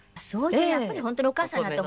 やっぱり本当にお母さんに。